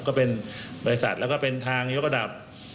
ก็เป็นบริษัทแล้วก็เป็นทางยกระดับ